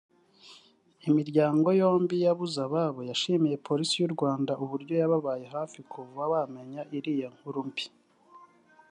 Imiryango yombi y’ababuze ababo yashimiye Polisi y’u Rwanda uburyo yababaye hafi kuva bamenya iriya nkuru mbi